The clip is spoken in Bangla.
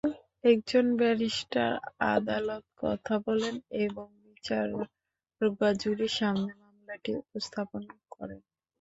একজন ব্যারিস্টার আদালতে কথা বলেন এবং বিচারক বা জুরির সামনে মামলাটি উপস্থাপন করেন।